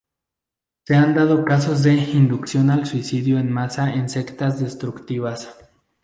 Se han dado casos de inducción al suicidio en masa en sectas destructivas.